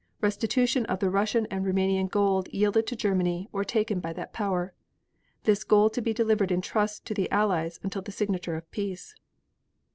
Restitution of the Russian and Roumanian gold yielded to Germany or taken by that Power. This gold to be delivered in trust to the Allies until the signature of peace.